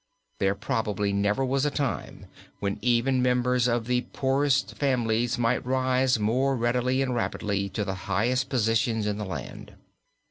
There probably never was a time when even members of the poorest families might rise more readily or rapidly to the highest positions in the land.